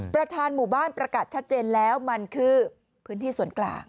ประธานหมู่บ้านประกาศชัดเจนแล้วมันคือพื้นที่ส่วนกลาง